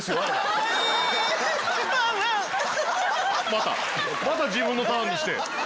また自分のターンにして。